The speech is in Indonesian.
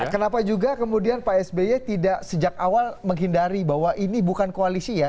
kenapa juga kemudian pak sby tidak sejak awal menghindari bahwa ini bukan koalisi ya